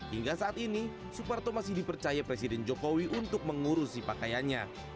hingga saat ini suparto masih dipercaya presiden jokowi untuk mengurusi pakaiannya